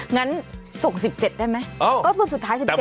งั้นส่ง๑๗ได้ไหมสุดท้าย๑๗ยังไง